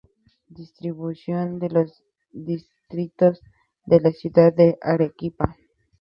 Distribución de los distritos de la ciudad de Arequipa